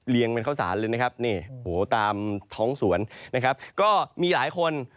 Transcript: เป็นข้าวสารเลยนะครับนี่โหตามท้องสวนนะครับก็มีหลายคน